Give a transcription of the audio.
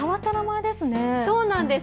そうなんです。